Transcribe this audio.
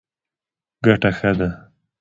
ګټه ښه ده.